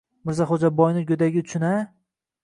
— Mirzaxo‘jaboyni go‘dagi uchun-a?